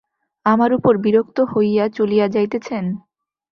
আমার উপর বিরক্ত হইয়া চলিয়া যাইতেছেন?